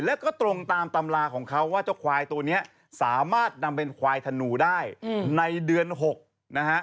แล้วก็ตรงตามตำราของเขาว่าเจ้าควายตัวนี้สามารถนำเป็นควายธนูได้ในเดือน๖นะฮะ